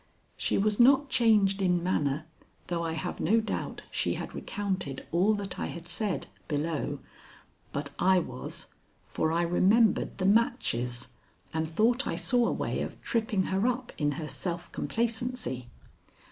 She was not changed in manner, though I have no doubt she had recounted all that I had said, below, but I was, for I remembered the matches and thought I saw a way of tripping her up in her self complacency.